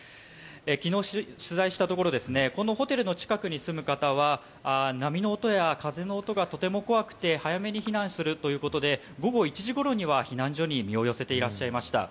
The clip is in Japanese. きのう取材したところ、このホテルの近くに住む方は波の音や風の音がとても怖くて、早めに避難するということで、午後１時ごろには避難所に身を寄せていらっしゃいました。